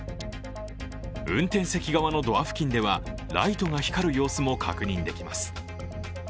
運転席側のドア付近ではライトが光る様子も確認できます。